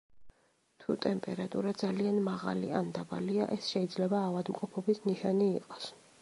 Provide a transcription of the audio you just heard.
თუ ტემპერატურა ძალიან მაღალი ან დაბალია, ეს შეიძლება ავადმყოფობის ნიშანი იყოს.